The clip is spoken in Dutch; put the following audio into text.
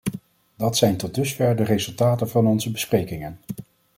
Dat zijn tot dusver de resultaten van onze besprekingen.